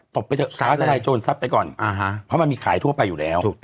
บไปเถอะฟ้าทลายโจรซับไปก่อนเพราะมันมีขายทั่วไปอยู่แล้ว